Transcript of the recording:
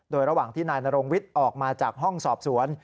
โดยระหว่างที่นายนรงวิทย์ออกมาจากห้องสอบสวน